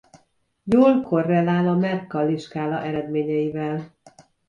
Jól korrelál a Mercalli-skála eredményeivel.